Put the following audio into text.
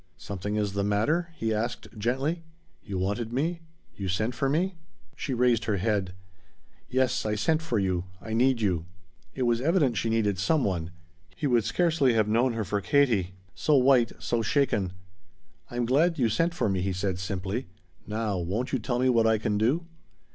"Something is the matter?" he asked gently. "You wanted me? You sent for me?" She raised her head. "Yes. I sent for you. I need you." It was evident she needed some one. He would scarcely have known her for Katie so white, so shaken. "I'm glad you sent for me," he said simply. "Now won't you tell me what I can do?"